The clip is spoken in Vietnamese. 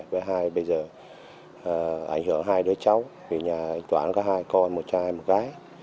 với hai bây giờ ảnh hưởng hai đứa cháu vì nhà toán có hai con một trai một gái